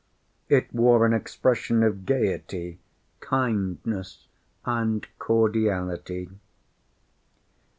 It wore an expression of gayety, kindness and cordiality.